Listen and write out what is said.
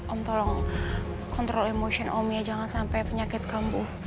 om tolong kontrol emosion om ya jangan sampai penyakit kambuh